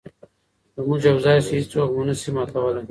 که موږ یو ځای شو، هیڅوک مو نه شي ماتولی.